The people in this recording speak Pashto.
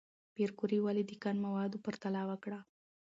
پېیر کوري ولې د کان د موادو پرتله وکړه؟